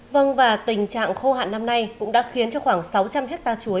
vâng và tình trạng khô hạn năm nay cũng đã khiến cho khoảng sáu trăm linh ha chuối